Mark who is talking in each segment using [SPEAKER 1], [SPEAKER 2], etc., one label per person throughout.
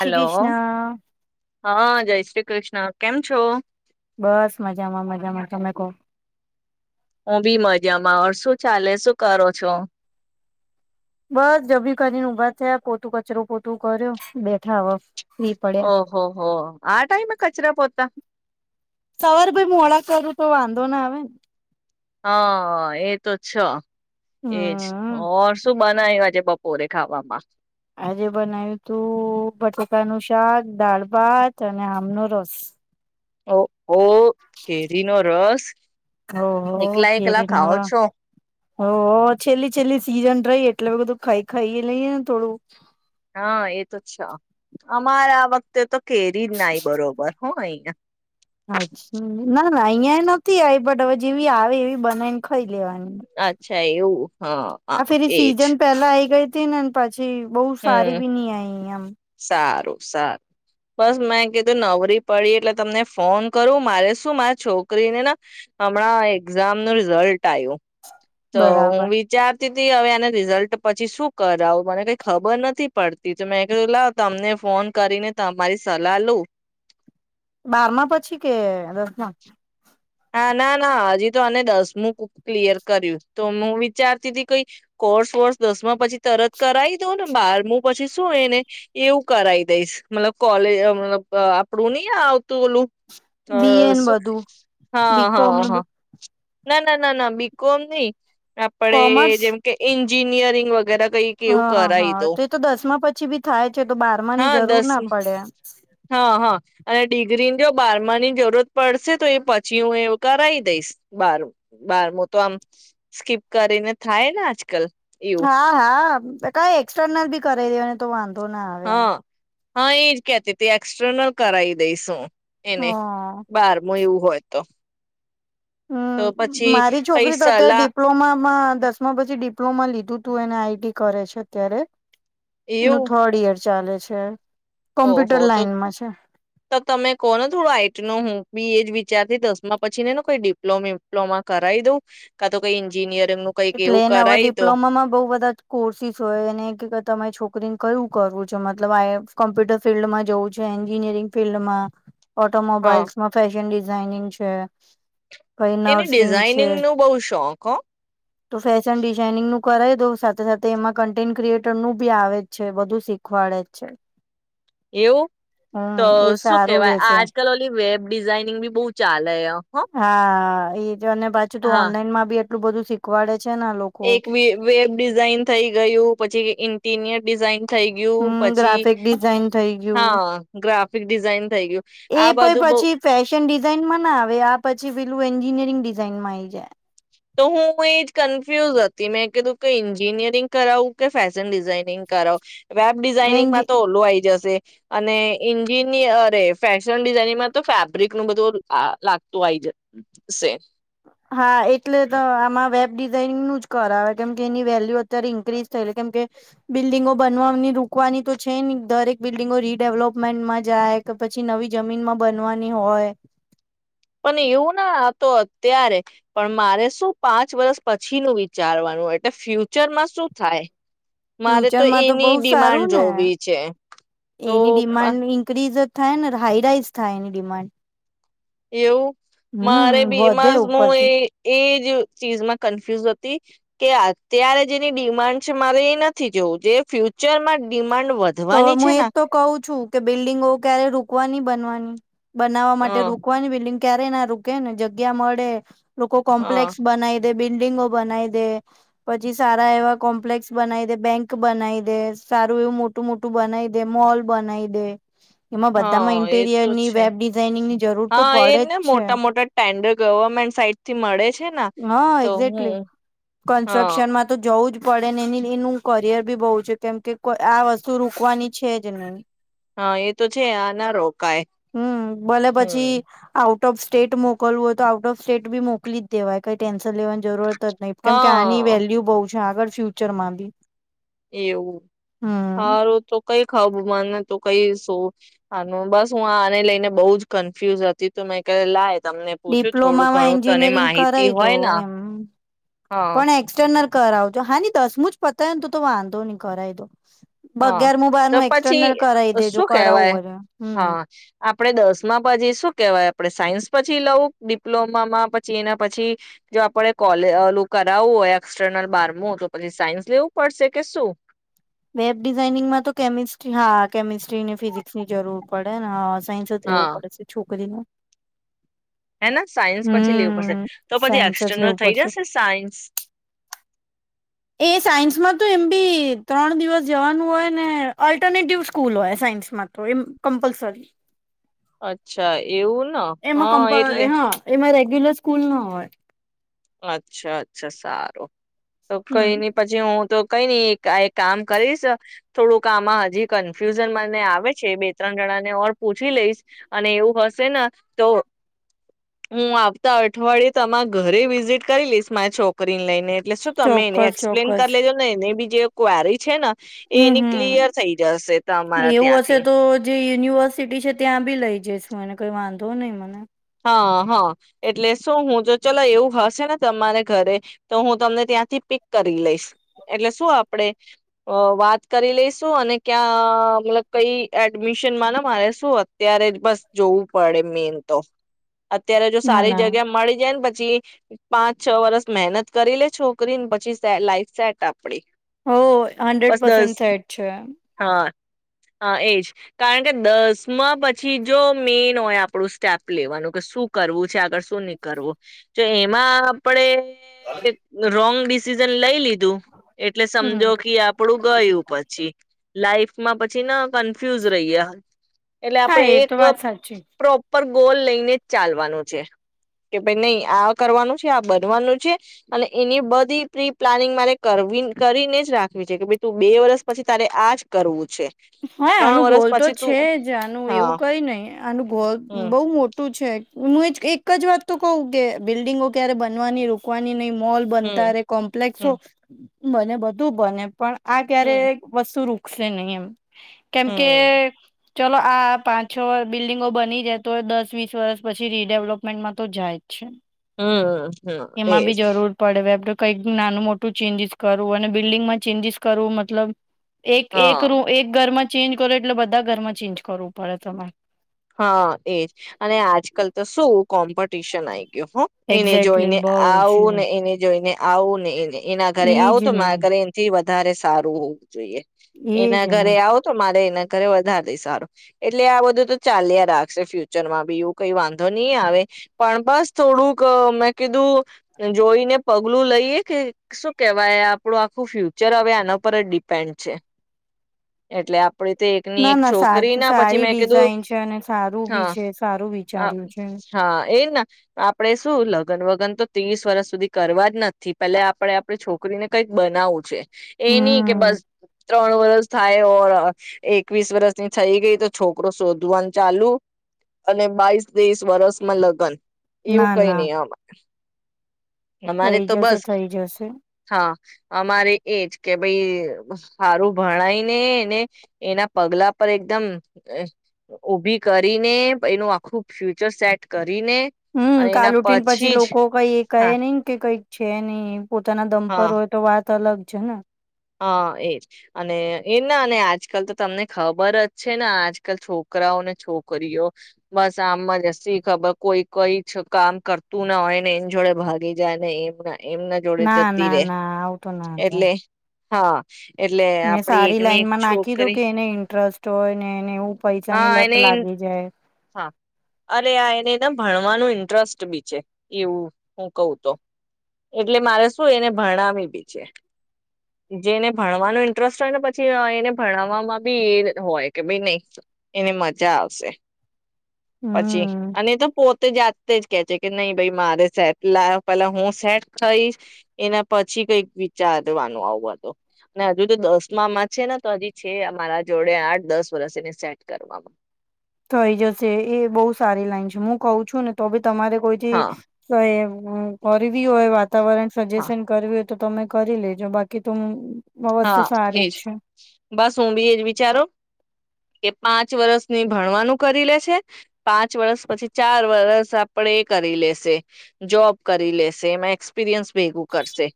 [SPEAKER 1] જી
[SPEAKER 2] hello.
[SPEAKER 1] ગીષ્ણ.
[SPEAKER 2] હા જય શ્રી કૃષ્ણ, કેમ છો?
[SPEAKER 1] બસ મજામાં મજામાં તમે કો.
[SPEAKER 2] હું બી મજામાં ઓર, શું ચાલે શું કરો છો?
[SPEAKER 1] બસ જમી કરીને ઊભા થયા પોતું કચરુ પોતું કર્યું બેઠા હવે. ફ્રી પડ્યા
[SPEAKER 2] ઓહો હો, આ ટાઈમે કચરા પોતા?
[SPEAKER 1] સવાર પછ મોડા કરું તો વાંધો ના આવે.
[SPEAKER 2] હા એતો છે. એજ
[SPEAKER 1] હમ
[SPEAKER 2] ઓર શું બનાયવા છે? બપોરે ખાવામાં.
[SPEAKER 1] આજે બનાવ્યું તું બટાકા નું શાક, દાળ, ભાત અને આમનો રસ.
[SPEAKER 2] ઓ ઓ કેરીનો રસ.
[SPEAKER 1] ઓ હો
[SPEAKER 2] એકલા એકલા
[SPEAKER 1] કેરી નો
[SPEAKER 2] ખાઓ
[SPEAKER 1] રહ.
[SPEAKER 2] છો.
[SPEAKER 1] ઓ હો છેલ્લી છેલ્લી સીઝન રહી એટલે બધું ખાઈ ખાઈ એ લઈએ ને થોડું.
[SPEAKER 2] હા એ તો છે. અમારા વખતે તો કેરી નાઈ બરોબર હો અહીંયા.
[SPEAKER 1] અચ્છી, ના ના અહિયાં નથી આવી બટ હવે જેવી આવે એવી બનાવીન ખ ખાઈ લેવાની
[SPEAKER 2] અચ્છા એવું હા
[SPEAKER 1] આ
[SPEAKER 2] હા
[SPEAKER 1] ફેરી
[SPEAKER 2] એજ
[SPEAKER 1] સીઝન પેલા આઈ ગઈ [unintelligible] છી બોવ સારી
[SPEAKER 2] હમ
[SPEAKER 1] બી ની આઈ આમ.
[SPEAKER 2] સારું સારું બસ મેં કીધું નવરી પડી એટલે તમને ફોન કરું મારે શું મારા છોકરીને ને હમણાં એક્ઝામ નું રિઝલ્ટ આવ્યું. તો હું
[SPEAKER 1] બરાબર
[SPEAKER 2] વિચાર [unintelligible] એન રિઝલ્ટ પછી શું કરાવું મને કંઈક પડતી જો મે કીધુ લાવ તમને ફોન કરીને તમારી સલાહ લુ
[SPEAKER 1] બારમાં પછી કે દસમાં.
[SPEAKER 2] હા ના ના હજી તો આને દસમું કુ ક્લિયર કર્યું તો હું વિચારતી હતી, કઈ કોર્સ વર્સ દસમા પછી તરત કરી દઉં ને બારમું પછી શું એને એવું કરાવી દઈશ મતલબ કોલેજ આ મતલબ આપડું ની આવતું ઓલું તો
[SPEAKER 1] બી એન
[SPEAKER 2] શું
[SPEAKER 1] બધું
[SPEAKER 2] હા
[SPEAKER 1] બીકોમ
[SPEAKER 2] હા હા. ના ના ના ના બીકોમ ની. આપડે જેમ કે ઈન એન્જિનિયરિંગ વગેરા.
[SPEAKER 1] હ હા તો એ તો દસમા પછી ભી થાય છે તો બારમાની
[SPEAKER 2] હા
[SPEAKER 1] જરૂર
[SPEAKER 2] દસ
[SPEAKER 1] ના પડે.
[SPEAKER 2] હા હા અને ડિગ્રીની જો બારમા ની જરૂરત પડશે તો એ પ છી હું એવું કરાવી દઈશ બાર બારમું તો આમ સ્કીપ કરીને થાય ને આજકાલ. એવું
[SPEAKER 1] હા હા કઈ એક્સટર્નલ ભી કરાઈ દેવા તો વાં વાંધો ના આવે
[SPEAKER 2] હા હા એજ કેતીતી એક્સટર્નલ કરાઈ દઈશું. એને
[SPEAKER 1] હ
[SPEAKER 2] બારમુ એવું હોય તો. તો
[SPEAKER 1] હમ
[SPEAKER 2] પછી
[SPEAKER 1] મારી
[SPEAKER 2] કઈ
[SPEAKER 1] છોકરી તો અત્યારે
[SPEAKER 2] સલાહ
[SPEAKER 1] ડિપ્લોમામાં દસમા પછી ડિપ્લોમા લીધું તું એને આઈટી કરે છે અત્યારે. એનું
[SPEAKER 2] એવું
[SPEAKER 1] થોડ યર. ચાલે છે.
[SPEAKER 2] ઓહો
[SPEAKER 1] કોમ્પ્યુટર
[SPEAKER 2] તો
[SPEAKER 1] લાઈનમાં છે
[SPEAKER 2] તો તમે કો ને થોડો આઈટ ન હું બીએજબી ચાર થી દસમાં પછી ને કોઈ ડિપ્લોમા વિપ્લોમા કરાય દઉં કા તો કઈ એન્જિનિયર
[SPEAKER 1] એટલે એનેવા ડિપ્લોમામાં બહુ બધા કોર્સિસ હોય એને કે તમે છોક રિને કયું કરવું છે મતલબ [unintelligible] કોમ્પ્યુટર ફિલ્ડમાં જવું છે એન્જિનિયરિંગ ફિલ્ડમાં
[SPEAKER 2] હા
[SPEAKER 1] ઓટોમોબાઇલ્સમાં ફેશન ડિઝ ડિઝાનિંગ છે. પહી
[SPEAKER 2] એને
[SPEAKER 1] નર્સિંગ છે
[SPEAKER 2] ડિઝાઇનિંગ નું બોવ શોખ હો.
[SPEAKER 1] ફેશન ડિઝઇનિંગ નું કરાય દો સાથે સાથે એમાં કન્ટેન્ટ ક્રિએટરનું બી આવે જ છે બધું શીખવાડે જ છે.
[SPEAKER 2] એવું તો
[SPEAKER 1] હમ એ
[SPEAKER 2] શું
[SPEAKER 1] સારું
[SPEAKER 2] કેવાય
[SPEAKER 1] રેશે
[SPEAKER 2] આજકાલ ઓલી વેબ ડિઝાઇનંગ બી બોવ ચાલ
[SPEAKER 1] હા એજ અને પાછું તું
[SPEAKER 2] હા
[SPEAKER 1] ઓનલાઈનમાં બી એટલ બધું શીખવાડે છે ને આ લોકો
[SPEAKER 2] એક વે વેબ ડિઝાઇન થઈ ગયું પછી ઈન ઈનીયર ડિઝાઇન થઈ ગયું
[SPEAKER 1] હમ્મ.
[SPEAKER 2] પછી
[SPEAKER 1] ગ્રાફિક ડિઝાઇન થઈ ગયું
[SPEAKER 2] હા ગ્રાફિક ડિઝાઇન થઈ ગયું
[SPEAKER 1] એ
[SPEAKER 2] આ
[SPEAKER 1] પર
[SPEAKER 2] બધું બઉ
[SPEAKER 1] પછી ફેશન ડિઝઇનમાં ના આવે આ પછી પેલું એન્જિનિયરિંગ ડિ ઝાઇન માં આવી જાય.
[SPEAKER 2] તો હું એજ કન્ફ્યુઝ હતી મેં કીધું કે એન્જિનિયરિંગ કરાવું કે ફેશન ડિઝાઇનિંગ કરાવું. વેબ
[SPEAKER 1] એન્જ
[SPEAKER 2] ડિઝાઇનિંગમાં તો ઓલો આઈ જશે અને એન્જિનિયર અરે ફેશન ડિઝાઇનમાં તો ફેબ્રિક નું બધું આ લાગતું આઈ જશે.
[SPEAKER 1] હા એટલે તો આમાં વેબ ડિઝાઈનિંગ નું જ કરાવે. કેમકે એની વેલ્યુ અત્યારે ઈન્ક્રીઝ થયેલી કેમકે બિલ્ડિંગો બનવાની રુકવાની તો છે ની દરેક બિલ્ડિંગો રીડેવલપમેન્ટમાં જાય કે પછી નવી જમીનમાં બનવાની હોય.
[SPEAKER 2] પણ એવું ના આ તો અત્યારે પણ મારે શું પાંચ વર્ષ પછી નું વિચારવાનું એટલે ફ્યુચર માં શું થાય? મારે
[SPEAKER 1] ફ્યુચરમાં તો બઉ
[SPEAKER 2] એની
[SPEAKER 1] સારું
[SPEAKER 2] ડિમાન્ડ
[SPEAKER 1] ને
[SPEAKER 2] જોવી છે તો
[SPEAKER 1] એની
[SPEAKER 2] અ
[SPEAKER 1] ડિમાન્ડ ઇન્ક્રીઝ જ થાય ને હાઈરાઈઝ થાય એની ડિમાન્ડ.
[SPEAKER 2] એવું, મારે
[SPEAKER 1] હમ વધે
[SPEAKER 2] બેમાંસ હું
[SPEAKER 1] ઉપરથી
[SPEAKER 2] એ એ તેઓ ચીઝમાં કન્ફ્યુઝ હતી કે આત્યારે જેની ડિમાન્ડ છે મારે એ નથી જોવું જે ફ્યુચરમાં ડી
[SPEAKER 1] તો હું એજ તો કહું છું, કે બિલ્ડિંગો ક્યારે રૂકવાની બનવાની બનાવવા માટે
[SPEAKER 2] હા
[SPEAKER 1] રૂકવાની બિલ્ડિંગ ક્યારે ના રૂકે ને જગ્યા મળે લોકો
[SPEAKER 2] હા
[SPEAKER 1] કોમ્પ્લેક્સ બનાઈ દે બિલ્ડીિંગો બનાઈ દે, પછી સારા એવા કોમ્પ્લેક્સ બનાઈ દે, બેંક બનાઈ દે, સારું એવું મોટ મોટું મોટું બનાઈ દે, મોલ બનાઈ દે. એમાં બધામાં
[SPEAKER 2] હા એ તો
[SPEAKER 1] ઇન્ટેરિયરની
[SPEAKER 2] છે,
[SPEAKER 1] વેબ ડિઝાઇનિંગની જરૂર તો
[SPEAKER 2] હા
[SPEAKER 1] પડે
[SPEAKER 2] એને
[SPEAKER 1] જ છે
[SPEAKER 2] મોટા મોટા ટેન્ડર ગવર્મેન્ટ સાઈડ થી મળે છે ના
[SPEAKER 1] હા
[SPEAKER 2] તો હું
[SPEAKER 1] એક્ઝેક્ટલી
[SPEAKER 2] હા
[SPEAKER 1] કન્સ્ટ્રક્શનમાં તો જવું જ પડે ને એની એનું કરિયર બી બહુ છે કેમ કે આ વસ્તુ તું રુકવાની છે જ નહીં.
[SPEAKER 2] હા એ તો છે આ ના રોકાય,
[SPEAKER 1] હમ ભલે પછી
[SPEAKER 2] હમ્મ.
[SPEAKER 1] આઉટ ઓફ સ્ટેટ મોકલવો હો તો આઉટ ઓફ સ્ટેટ બી મોકલી જ દેવાય કઈ ટેન્શન લેવાની જરૂરત જ નહી, કેમ કે આની
[SPEAKER 2] હા
[SPEAKER 1] વેલ્યુ બઉ છે આગળ ફ્યુચરમાં બી.
[SPEAKER 2] એવું,
[SPEAKER 1] હમ
[SPEAKER 2] હારું તો કઈ ખબ મને તો કઈ સો આનું બસ હું આને લઈને બહુ જ કન્ફ્યુઝ હતી તો મે કેયું લાય તમને પૂછું થોડું
[SPEAKER 1] ડિપ્લોમામાં
[SPEAKER 2] ઘણું તને
[SPEAKER 1] એન્જિનિયરિંગ
[SPEAKER 2] માહિતી
[SPEAKER 1] કરાઈ દો
[SPEAKER 2] હોય ને
[SPEAKER 1] એમ.
[SPEAKER 2] હા
[SPEAKER 1] પણ એક્સટર્નલ કરાવજો હા દસમું જ પતાય ને તો વાંધો નહી કરાઈ દો.
[SPEAKER 2] હા,
[SPEAKER 1] અગિયારમું
[SPEAKER 2] તો
[SPEAKER 1] બારમું
[SPEAKER 2] પછી
[SPEAKER 1] એક્સટર્નલ કરાવી દેજો
[SPEAKER 2] શું
[SPEAKER 1] કરાવવું
[SPEAKER 2] કેહેવાય.
[SPEAKER 1] હોય હમ
[SPEAKER 2] હા આપડે દસમા પછી શું કેહેવાય આપણેે સાયન્સ પછી લઉ ડિપ્લોમામાં પછી એના પછી જો આપણે કોલે ઓલું કરાવવું હોય, એક્સટર્નલ બારમુ તો પછી સાયન્સ લેવું પડશે કે શું?
[SPEAKER 1] વેબ ડિઝાઇનિંગમાં તો કેમિસ્ટ્રી હા, કેમિસ્ટ્રી ની ફિઝિક્સ ની જરૂર પડે ને હા. સાયન્સ જ લેવું
[SPEAKER 2] હા
[SPEAKER 1] પડશે છોકરીનું.
[SPEAKER 2] હેને સાયન્સ પછી લેવું પડશે,
[SPEAKER 1] હમ
[SPEAKER 2] તો પછી
[SPEAKER 1] સાયન્સ જ
[SPEAKER 2] એક્સટર્નલ
[SPEAKER 1] લેવું
[SPEAKER 2] થઈ
[SPEAKER 1] પડશે
[SPEAKER 2] જશે સાયન્સ?
[SPEAKER 1] એ સાયન્સમાં તો એમ બી ત્રણ દિવસ જવાનું હોય, ને ઓલ્ટરનેટિવ સ્કૂલ હોય સાયન્સમાં તો એમ કમ્પલસરી.
[SPEAKER 2] અચ્છા એ!
[SPEAKER 1] એમાં [unintelligible] હા એમાં રેગ્યુલર સ્કૂલ ના હોય.
[SPEAKER 2] અચ્છા અચ્છા સારું. તો કઈ
[SPEAKER 1] હમ
[SPEAKER 2] ને પછી હું તો કઈ નહી આ એક કામ કરીશ થોડુંક આમાં હજી કન્ફ્યુઝન મને આવે છે, બે ત્રણ જણા ને ઓર પૂછી લઈશ અને એવું હશે ન તો હું આવતા અઠવાડિયે તમારા ઘરે વી વિઝિટ કરી લઈશ મારી છોકરી ને લઈને. એટલે શું તમે એને
[SPEAKER 1] ચોક્કસ
[SPEAKER 2] એક્સપ્લેન કરી
[SPEAKER 1] ચોક્કસ
[SPEAKER 2] લેજો ને એને બી જે કવેરી છે ને એ
[SPEAKER 1] હમ
[SPEAKER 2] એની ક્લિયર
[SPEAKER 1] હમ
[SPEAKER 2] થઈ જશે તમારા
[SPEAKER 1] એવું હશે
[SPEAKER 2] ત્યાંથી.
[SPEAKER 1] તો જે યુનિવર્સિટી છે ત્યાં બી લઈ જઈશું અને કઈ વાંધો નય મને.
[SPEAKER 2] હા હા એટલે શું હું જો ચલો એવું હશે ને તમારે ઘરે તો હું તમને ત્યાંથી પિક કરી લઈશ. એટલે શું આપણેે અ વાત કરી લઈશું અને ક્યાં અ- અ મતલબ કઈ એડમિશનમાં ને મારે શું અત્યારે જ બસ જોવું પડે મેન તો. અત્યારે જો
[SPEAKER 1] ના
[SPEAKER 2] સારી
[SPEAKER 1] ના
[SPEAKER 2] જગ્યા મળી જાય ને છી પાંચ છ વરષ મહેનત કરી લે છોકરીને પછી લાઈફ સે સેટ આપ
[SPEAKER 1] હો હન્ડ્રેડ પસેન્ટ સેટ છે.
[SPEAKER 2] હા હા, એજ કારણ કે દસમાં પછી જો મેઈન હોય આપણું સ્ટેપ લેવાનું કે શું કરવું છે આગળ શું નહી કરવું જો એમાં આપણેે રોંગ [unintelligible] ડિસિઝન લઈ લી તું એટલે
[SPEAKER 1] હમ
[SPEAKER 2] સમજો કે આપડું ગયું પછી. લાઈફમાં પછી ન કન્ફ્યુઝ રહીયા. એટલે
[SPEAKER 1] હા
[SPEAKER 2] આપડે
[SPEAKER 1] એ
[SPEAKER 2] એક
[SPEAKER 1] તો વાત સાચી
[SPEAKER 2] પ્રોપર ગોલ લઈને જ ચાલવાનું છે કે ભાઈ નહી આ કરવાનું છે, આ બનવાનું છે અને એની બધી પ્રી પ્લાનિંગ મારે કરવી કરીને જ રાખવી છે. કે ભઈ તું બે વરષ પછી તારે આજ કરવું છે.
[SPEAKER 1] હા,
[SPEAKER 2] ત્રણ
[SPEAKER 1] આનું
[SPEAKER 2] વર્ષ
[SPEAKER 1] ગોલ તો
[SPEAKER 2] પછી તું
[SPEAKER 1] છે જ. આનું
[SPEAKER 2] હા
[SPEAKER 1] એવું કઈ નહીં આનું ગોલ
[SPEAKER 2] હમ
[SPEAKER 1] બઉુ મોટ ટું છે. હું એજ એક જ વાત તો કવ કે બિલ્ડિંગો ક્યારે બનવાની રોકવાની નહી મોલ બનતા
[SPEAKER 2] હમ
[SPEAKER 1] રે કોમ્પ્લેક્સો
[SPEAKER 2] હમ
[SPEAKER 1] બને બધું બને પણ આ
[SPEAKER 2] હમ
[SPEAKER 1] કયારેક [unintelligible] [unintelligible] નહી એમ કેમ કે
[SPEAKER 2] હમ
[SPEAKER 1] ચાલો આ પાંચ-છ બિલ્ડિંગો બની જાય તોયે દસ-વીસ વર્ષ પછી રીડેવલપમેન્ટમાં તો જાય જ છે.
[SPEAKER 2] હું
[SPEAKER 1] એમાં બી જરૂર પડે [unintelligible] કંઈક નાનું-મોટું ચેન્જીિસ કરવું અને બિલ્ડિંગમાં ચેન્જીિસ કરવું મતલબ એક એક
[SPEAKER 2] હા
[SPEAKER 1] રૂ એક ઘરમાં જ ચેન્જ કરો એટલે બધા ઘરમાં ચેન્જ કરવું પડે તમે.
[SPEAKER 2] હા, એજ અને આજકલ તો શું, કોમ્પિટિશન આઈ ગ્યો હો. એને
[SPEAKER 1] એક્ઝેક્ટલી
[SPEAKER 2] જોઈને
[SPEAKER 1] બઉ
[SPEAKER 2] આવું
[SPEAKER 1] જ
[SPEAKER 2] ને એને જોઈને આઉન ને એને એના ઘરે
[SPEAKER 1] એજ
[SPEAKER 2] આવું તો
[SPEAKER 1] ને
[SPEAKER 2] મારા ઘરે એનથી વ ધારે સારું જોઈએ.
[SPEAKER 1] એજ
[SPEAKER 2] એના
[SPEAKER 1] ને
[SPEAKER 2] ઘરે આવો તો મા લઈ ને ઘરે વધાર દઈશ હારું. એટલે આ બધું તો ચાલ્યા રાખશે ફ્યુચરમાં બી એવું કઈ વાંધો નહી આવે. પણ બસ થોડુંક અહ મેં કીધું જોઈને પગલું લઈએ કે શું કેવાય આપણું આખું ફ્યુચર હવે આના પર જ ડિપેન્ડ છે. એટલે આપ પણી તે એકની એક છોકરી ના પછી મેં કીધું
[SPEAKER 1] કે અને સારું બી
[SPEAKER 2] હા
[SPEAKER 1] છે સારું
[SPEAKER 2] આ-
[SPEAKER 1] વિચાર્યું છે.
[SPEAKER 2] હા એ ના આપડે શું લગ્ન વગન તો ત્રીસ વર્ષ સુધી કરવા જ નથી પેલે આપડે આપડ છોકરીને કઈક બનાવું છે. એ ની કે
[SPEAKER 1] હમ
[SPEAKER 2] બસ ત્રણ વરષ થાય તોર એકવીસ વર્ષની થઈ ગઈ તો છોકરો શોધ. ધ્વન ચાલુ અને બાવસ ત્રીસ વરષમાં લગ્ન એવું
[SPEAKER 1] ના
[SPEAKER 2] કઈ
[SPEAKER 1] ના
[SPEAKER 2] નઈ આમાં અમારે
[SPEAKER 1] થઈ
[SPEAKER 2] તો
[SPEAKER 1] જશે
[SPEAKER 2] બસ
[SPEAKER 1] થઈ જશે.
[SPEAKER 2] હા અમારે એજ કે ભાઈ હારું ભણાયને એના પગલા પર એકદમ ઉભી કરીને એનું આખું ફ્યુચર સેટ કર
[SPEAKER 1] હમ કાલુટીન પછી
[SPEAKER 2] જ
[SPEAKER 1] લોકો કઇક
[SPEAKER 2] હા
[SPEAKER 1] ટ્રેનિંગ કે કોઈ છેેની. પોતાના દમ પર
[SPEAKER 2] હા
[SPEAKER 1] હોય તો વાત ત અલક છે ને.
[SPEAKER 2] હા એ અને એ ના અને આજકાલ તો તમને ખબર જ છે ને આજકાલ છોકરાઓને છોકરીઓ બસ આમજ હસી ખબર કોઈ કઈ ચ કામ કરતું ના હોય ને એની જોડે ભાગી જાય ને એમ એમના જોડે
[SPEAKER 1] ના
[SPEAKER 2] જતી
[SPEAKER 1] ના
[SPEAKER 2] રે
[SPEAKER 1] ના આવું તો ના થાય.
[SPEAKER 2] એટલે. હા. એટલે
[SPEAKER 1] ને
[SPEAKER 2] આપડી
[SPEAKER 1] સારી
[SPEAKER 2] એકની એક
[SPEAKER 1] લાઈનમાં નાખી
[SPEAKER 2] છોકરી
[SPEAKER 1] દો કે એને ઇન્ટરસ્ટ જોઈને એને એવું પૈસાની
[SPEAKER 2] હા
[SPEAKER 1] લત
[SPEAKER 2] એનેય
[SPEAKER 1] લાગી જાય.
[SPEAKER 2] હા અરે આ એનેદમ ભણવાનું ઇન્ટરસ્ટ બી છે, એવું હું કઉ તો, એટલે મારે શું એને ભણાવી બી છે જેને ભણવાનો ઇન્ટરસ્ટ હોય ને પછી એને ભણવામાં બી એ હોય કે ભઈ નહી એને મજા આવશે. પછી
[SPEAKER 1] હમ
[SPEAKER 2] અને તો પોતે જાતે જ કે છે કે નઈ ભાઈ મારે સેટ લાવો પેલા હું સેટ થઈશ એના પછી કઈક વિચારવાનું આવ હજુ તો દસમાંમાં છે ને તો હજી છે મારા જોડે આઠ દસ વર્ષ એને સેટ કરવામાં
[SPEAKER 1] થઈ જશે એ બહુ સારી લાઈન છે હું કઉ છું ને તો તમામરે કઈથી
[SPEAKER 2] હા
[SPEAKER 1] સ એ હમ કરવી હોય વાતાવરણ
[SPEAKER 2] હા
[SPEAKER 1] સજેશન કરવી હોય તો તમે કરી લેજો બાકી તો વસ્તુ
[SPEAKER 2] હા
[SPEAKER 1] સારી
[SPEAKER 2] એજ
[SPEAKER 1] જ છે
[SPEAKER 2] બસ હું બી એજ વિચારો કે પાંચ વર્ષની ભણવાનું કરી લેશે પાંચ વર્ષ પછી ચાર વરષ આપડ એ કરી લેશે જોબ કરી લેશે એમાં એક્સપિરયન્સ ભેગું કરશે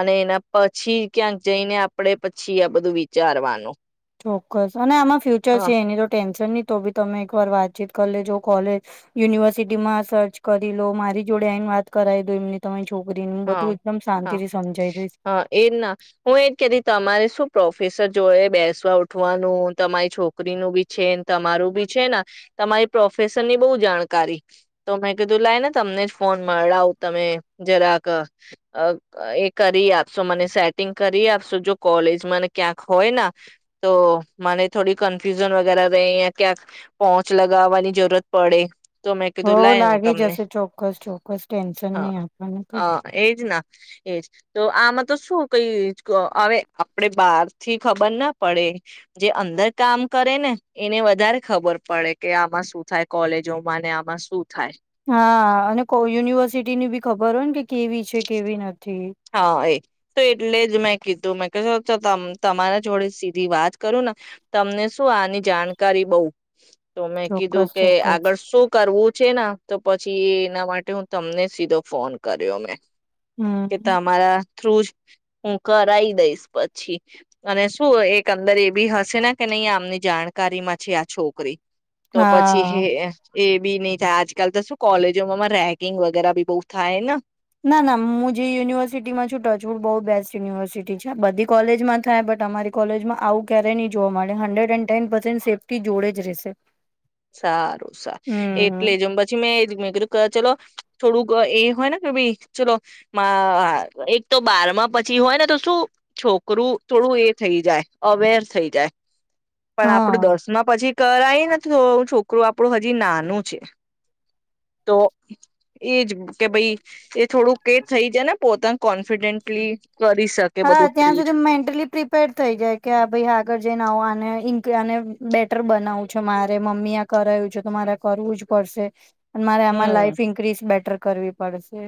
[SPEAKER 2] અને એના પછી ક્યાંક જઈને આપડે પછી આ બધું વિચારવાનું..
[SPEAKER 1] ચોક્કસ અને આમાં ફ્યુચર
[SPEAKER 2] હા
[SPEAKER 1] છે એની તો ટેન્શન તો બી તમે એક વાર વાતચીત કરી લેજો કોલેજ યુનિવર્સિટી માં સર્ચ કરી લો મારી જોડે આને વાત કરાવી દો એમની તમે
[SPEAKER 2] હા હા
[SPEAKER 1] દઈશ
[SPEAKER 2] હા એજ ના હું એજ કેતી તમારે શું પ્રોફેસર જો એ બેસવા ઉઠવાનું તમારી છોકરીનું બી છેને તમારું બી છે ને તમારી પ્રોફેશરની બહુ જાણકારી તો મેં કીધું લાઈને તમને જ ફોન મળાવ તમે જરાક.. એ કરી આપશો મને સેટિંગ કરી આપશો જો કોલેજ મને ક્યાંક હોય તો મને થોડી કન્ફ્યુઝન વગેરે ર અ ક્યાંક પોહોંચ લગાવવાની જરૂરત પડે. તો મેં
[SPEAKER 1] હો
[SPEAKER 2] કીધું લાય હું
[SPEAKER 1] લાગી
[SPEAKER 2] તમને
[SPEAKER 1] જશે ચોક્કસ ચોક્કસ ટેન્શન નહી આપને.
[SPEAKER 2] હ એજ ના એજ તો આમાં. તો શું કઈ હવે આપડ બહારથી ખબર ના પડે જે અંદર કામ કરે ને એને વધારે ખબર પડે કે આમાં શું થાય કોલેજોમાં ને આમાં શું. થાય
[SPEAKER 1] હા અને કો યુનિવર્સિટી ની બી ખબર હોય ને કે. કેવી છે કેવી નથી.
[SPEAKER 2] હા એ તો એટલે જ મેં કીધું મે. તમારા જોડે સીધી વાત કરું ને તમને શું આની જાણકારી બઉ. તો મેં કીધું
[SPEAKER 1] ચોક્કસ
[SPEAKER 2] કે
[SPEAKER 1] ચોક્કસ
[SPEAKER 2] આગળ શું કરવું. છે તો પછી એના માટે હું તમને સીધો ફોન કર્યો મેં. કે તો
[SPEAKER 1] હમ્મ
[SPEAKER 2] અમારા. થ્રુ જ હું કરી દઈશ પછી અને શું એક અંદર એ બી હશે ને કે નહી આમની જાણકારી માં છે આ છોકરી. તો પછી હ.
[SPEAKER 1] હા.
[SPEAKER 2] એ બી નહી થાય આજકાલ તો શું કોલેજોમાં રેકિંગ વગેરે બી બહુ થાય ને.
[SPEAKER 1] ના-ના મુ. જે યુનિવર્સિટીમાં છ ટચવુડ બહુ બેસ્ટ. યુનિવર્સિટી છે આ બધી કોલેજમાં થાય બટ અમારી કોલેજમાં આવું ક્યારેય નહી જોવા મળે hundred and ten percent safety જોડે જ રહેશે.
[SPEAKER 2] સારું-સારું
[SPEAKER 1] હમ્મ
[SPEAKER 2] એટલે જેમ પછી મેં મે કીધું ચલો. થોડુંક એ હોય ને કે ભાઈ ચલો એક તો બારમાં પછી હોય ને તો શું છોકરું થોડું એ થઈ જાય અવેર થઈ જાય. પણ આપડું
[SPEAKER 1] હા.
[SPEAKER 2] દસમાં પછી. કરાઈ નથી. તો છોકરોું આપણું હજી નાનું છે તો એજ કે ભાઈ. થોડું કે થઈ જાય ને પોતંગ. કોન્ફિડેન્ટલી. કરી શકે
[SPEAKER 1] હા
[SPEAKER 2] બધું
[SPEAKER 1] ત્યાં
[SPEAKER 2] ટ્રીટ
[SPEAKER 1] સુધી મેન્ટલી પ્રિપેર થઈ જાય કે ભાઈ આગળ જઈને આવ આ. ને બેટર બનાવું છો મારે મમ્મી આ કરાવું છે તો મારે કરવું જ પડશે. અને મારે આમાં
[SPEAKER 2] હમ
[SPEAKER 1] લાાઈફ ઇન્ક્રીઝ બેટર. કરવી પડશે.